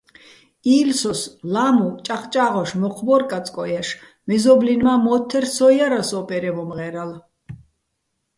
ი́ლსოს ლა́მუ ჭაღჭა́ღოშ მოჴ ბო́რ კაწკო́ჼ ჲაშ, მეზო́ბლინ მა́ მო́თთერ, სო ჲარასო̆ ო́პერეჼ მომღე́რალ.